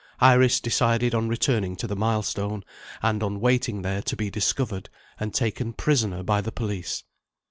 Iris decided on returning to the milestone, and on waiting there to be discovered and taken prisoner by the police.